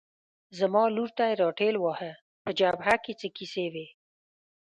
زما لور ته یې را ټېل واهه، په جبهه کې څه کیسې وې؟